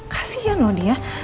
kasian loh dia